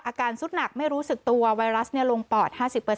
อาการสุดหนักไม่รู้สึกตัวไวรัสลงปอด๕๐